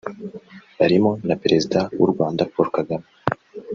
barimo na Perezida w’u Rwanda Paul Kagame